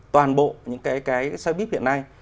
toàn bộ những cái xe bíp hiện nay